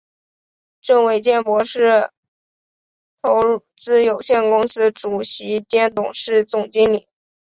郑维健博士投资有限公司主席兼董事总经理。